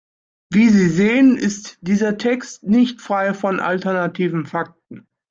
Wie Sie sehen, ist dieser Text nicht frei von alternativen Fakten.